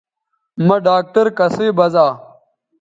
مہ ڈاکٹر کسئ بزا